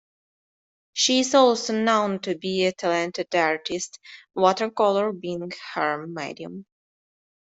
She is also known to be a talented artist, watercolor being her medium.